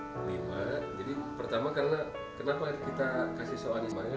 nah lima jadi pertama karena kenapa kita kasih soal ini